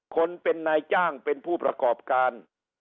คนเป็นนายจ้างเป็นผู้ประกอบการ